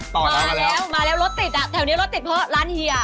มาแล้วมาแล้วรถติดอ่ะแถวนี้รถติดเพราะร้านเฮีย